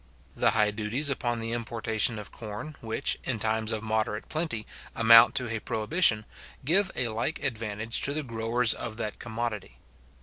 The high duties upon the importation of corn, which, in times of moderate plenty, amount to a prohibition, give a like advantage to the growers of that commodity.